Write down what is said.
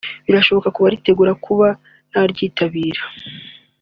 birashoboka ku baritegura kuba naryitabira